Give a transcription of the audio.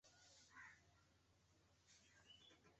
The fall of San Salvador marked the end of the war.